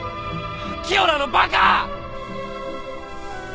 清良のバカ！